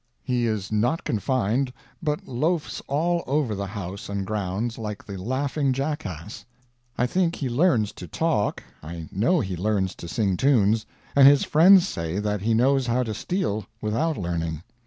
He is not confined, but loafs all over the house and grounds, like the laughing jackass. I think he learns to talk, I know he learns to sing tunes, and his friends say that he knows how to steal without learning.